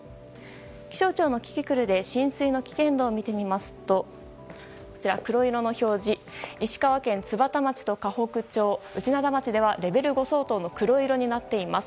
気象庁のキキクルで浸水の危険度を見てみますと黒色の表示石川県津幡町、かほく市内灘町ではレベル５相当の黒色になっています。